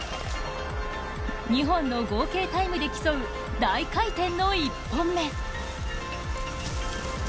２本の合計タイムで競う大回転の１本目。